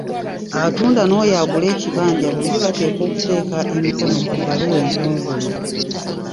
Atunda n'oyo agula ekibanja bombi bateekwa okuteeka emikono ku bbaluwa entongole.